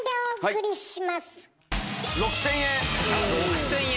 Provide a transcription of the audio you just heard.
６，０００円。